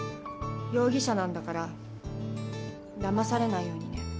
容疑者なんだからだまされないようにね。